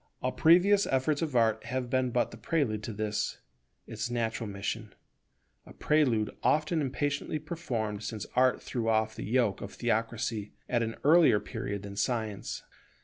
All previous efforts of Art have been but the prelude to this, its natural mission; a prelude often impatiently performed since Art threw off the yoke of theocracy at an earlier period than Science.